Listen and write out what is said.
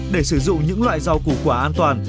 để sử dụng những loại rau củ quả an toàn